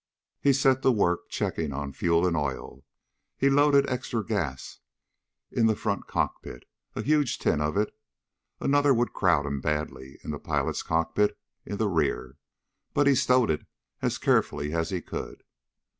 He set to work checking on fuel and oil. He loaded extra gas in the front cockpit, a huge tin of it. Another would crowd him badly in the pilot's cockpit in the rear, but he stowed it as carefully as he could.